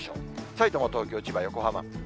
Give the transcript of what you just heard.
さいたま、東京、千葉、横浜。